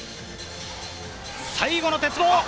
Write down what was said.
最後の鉄棒。